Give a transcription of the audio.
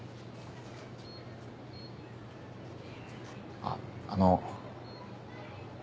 あっあの。